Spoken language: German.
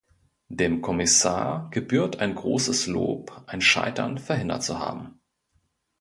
Dem Kommissar gebührt ein großes Lob, ein Scheitern verhindert zu haben.